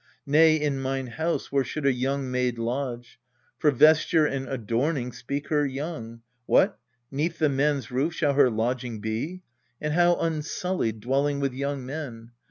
Nay, in mine house where should a young maid lodge? For vesture and adorning speak her young What, 'neath the men's roof shall her lodging be ? And how unsullied, dwelling with young men